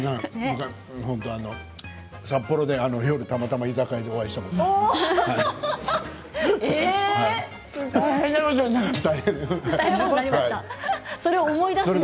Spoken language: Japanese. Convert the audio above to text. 札幌で夜たまたま居酒屋でお会いしたことがある。